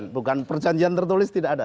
bukan perjanjian tertulis tidak ada